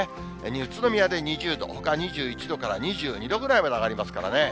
宇都宮で２０度、ほか２１度から２２度ぐらいまで上がりますからね。